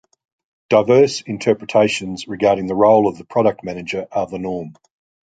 Diverse interpretations regarding the role of the product manager are the norm.